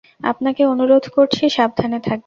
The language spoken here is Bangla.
আপনাকে অনুরোধ করছি, সাবধানে থাকবেন।